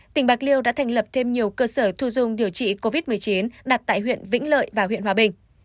tỉnh bạc liêu đã thành lập thêm nhiều cơ sở thu dung điều trị covid một mươi chín đặt tại huyện vĩnh lợi và huyện hòa bình